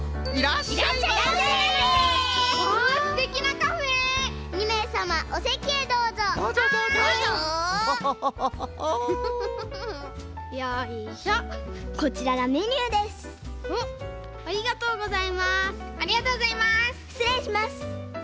しつれいします。